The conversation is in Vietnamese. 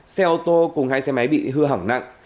xe ô tô cùng hai xe máy bị hư hỏng nặng